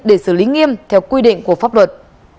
để xử lý nghiêm theo quy định của pháp luật